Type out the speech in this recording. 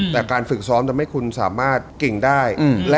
แต่การฝึกซ้อมทำให้คุณสามารถเก่งได้